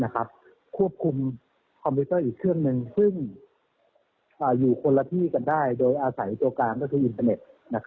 ควบคุมคอมพิวเตอร์อีกเครื่องหนึ่งซึ่งอยู่คนละที่กันได้โดยอาศัยตัวกลางก็คืออินเทอร์เน็ต